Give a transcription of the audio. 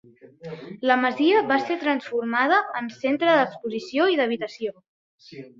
La masia va ser transformada en centre d'exposició i d'habitació.